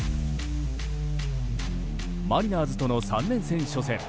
マリナーズとの３連戦初戦。